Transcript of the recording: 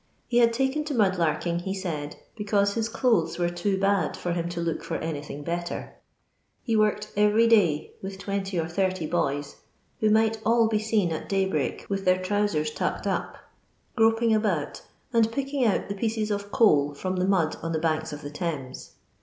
He had taken to mud larking, he said, because his dotlMt were too bad for him to look for any thing better. He worked every day, with 20 or 80 boys, who might all be seen at day break with their trowsers tucked up, groping aboat^ and picking out the pieces of conl m>m the mud on the buiks of the Thames.